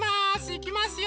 いきますよ。